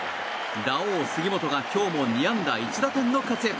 ラオウ杉本が今日も２安打１打点の活躍。